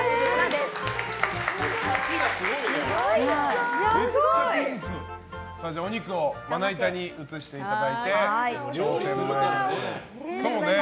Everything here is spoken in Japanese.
ではお肉をまな板に移していただいて。